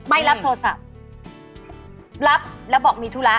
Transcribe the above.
ไม่รับโทรศัพท์รับแล้วบอกมีธุระ